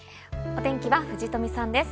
お天気は藤富さんです。